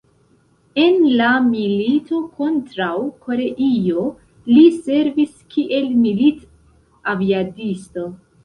En la milito kontraŭ Koreio li servis kiel milit-aviadisto.